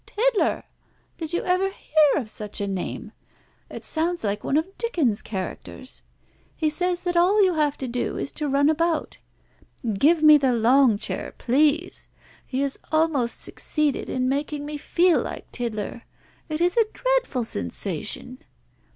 Tiddler! Did you ever hear of such a name? It sounds like one of Dickens' characters. He says that all you have to do is to run about! Give me the long chair, please. He has almost succeeded in making me feel like Tiddler. It is a dreadful sensation."